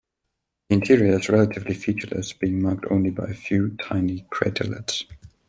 The interior is relatively featureless, being marked only by a few tiny craterlets.